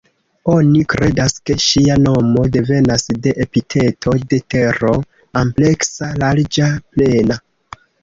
Oni kredas ke ŝia nomo devenas de epiteto de Tero: "ampleksa", "larĝa", "plena".